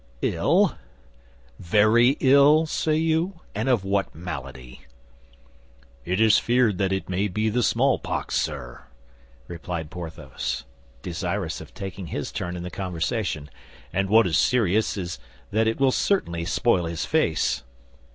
"Ill—" "Very ill, say you? And of what malady?" "It is feared that it may be the smallpox, sir," replied Porthos, desirous of taking his turn in the conversation; "and what is serious is that it will certainly spoil his face."